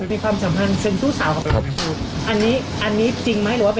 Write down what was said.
อันนี้จริงไหมหรือว่าเป็นข้อที่จริง